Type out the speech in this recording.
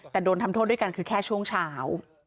แต่โดนทำโทษด้วยกันคือแค่ช่วงเช้า